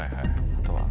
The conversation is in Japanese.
あとは。